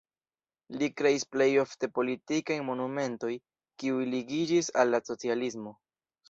Li kreis plej ofte politikajn monumentojn, kiuj ligiĝis al la socialismo.